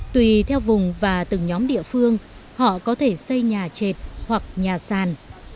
tùy theo vùng và từng nhóm địa phương họ có thể xây nhà chệt hoặc nhà sàn